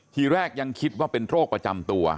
ทีแรกยังคิดว่าเป็นโรคประจำตัว